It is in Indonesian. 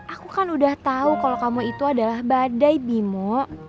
aku kan udah tahu kalau kamu itu adalah badai bimo